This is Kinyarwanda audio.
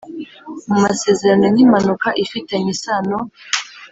mu masezerano nk impanuka ifitanye isano